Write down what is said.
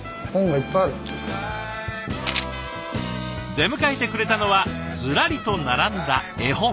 出迎えてくれたのはずらりと並んだ絵本。